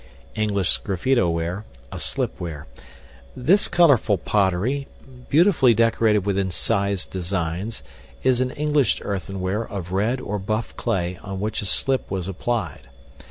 English Sgraffito ware (a slipware). This colorful pottery, beautifully decorated with incised designs, is an English earthenware of red or buff clay on which a slip was applied.